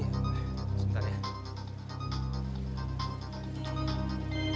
nanti sebentar ya